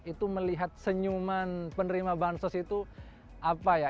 itu melihat senyuman penerima bantuan sosial itu apa ya